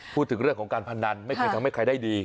พูดถึงเรื่องของการพนันไม่เคยทำให้ใครได้ดี